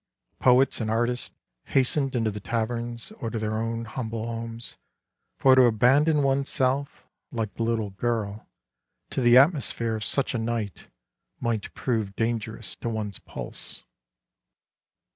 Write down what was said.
Poets and artists hastened into the taverns or to their own humble homes, for to abandon oneself, like the little girl, to the atmosphere of such a night might prove dangerous to one's pulse.